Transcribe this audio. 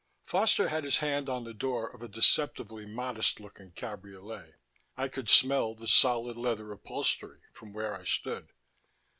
Foster had his hand on the door of a deceptively modest looking cabriolet. I could smell the solid leather upholstery from where I stood.